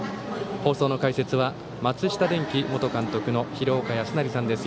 放送の解説は松下電器元監督の廣岡資生さんです。